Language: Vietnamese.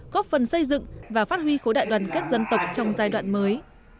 góp phần xây dựng và phát huy khối đại đoàn kết dân tộc trong giai đoạn mới